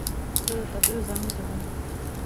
زه د تفریح ځایونو ته ځم.